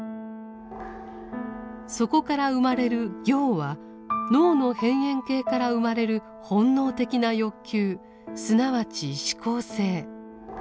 そこから生まれる「行」は脳の辺縁系から生まれる本能的な欲求すなわち志向性。